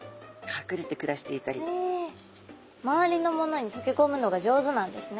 周りのものにとけこむのが上手なんですね。